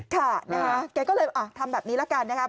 ค่ะนะคะแกก็เลยทำแบบนี้ละกันนะครับ